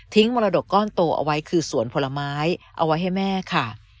มรดกก้อนโตเอาไว้คือสวนผลไม้เอาไว้ให้แม่ค่ะ